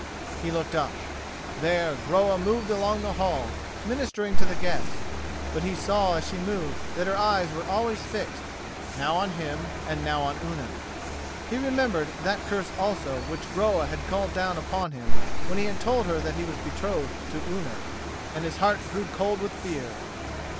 He looked up. There Groa moved along the hall, ministering to the guests; but he saw as she moved that her eyes were always fixed, now on him and now on Unna. He remembered that curse also which Groa had called down upon him when he had told her that he was betrothed to Unna, and his heart grew cold with fear.